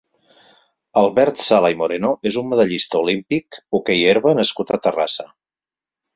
Albert Sala i Moreno és un medallista olímpic hockey herba nascut a Terrassa.